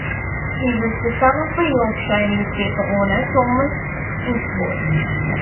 He was the son of a Yorkshire newspaper owner, Thomas Inchbold.